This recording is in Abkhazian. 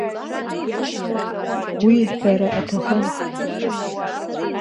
Уи ҳәара аҭахым.